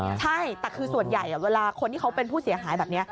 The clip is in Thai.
ใช่แต่คือส่วนใหญ่เวลาคนที่เขาเป็นผู้เสียหายแบบนี้